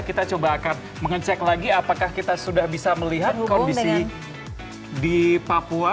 kita coba akan mengecek lagi apakah kita sudah bisa melihat kondisi di papua